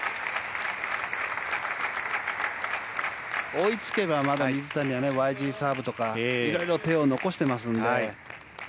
追いつけばまだ水谷はＹＧサーブとかいろいろ手を残してますので。